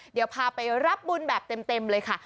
เดี๋ยวพาไปรับบุญแบบเต็มเลยค่ะ